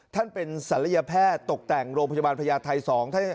ท่านเป็นศัลยแพทย์ตกแต่งโรงพยาบาลพญาไทย๒